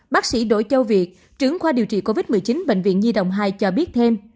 bác sĩ đỗ châu việt trưởng khoa điều trị covid một mươi chín bệnh viện nhi đồng hai cho biết thêm